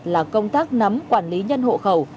là công tác nắm quản lý nhân hộ khẩu